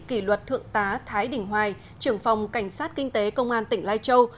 kỷ luật thượng tá thái đình hoài trưởng phòng cảnh sát kinh tế công an tỉnh lai châu